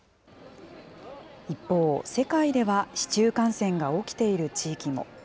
一方、世界では市中感染が起きている地域も。